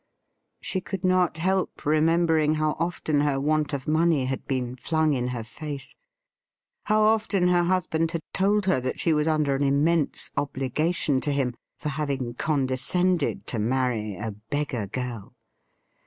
She could not help remembering how often her want of money had been flung in her face — how often her husband had told her that she was under an immense obligation to him for having condescended to marry ' a beggar girl.'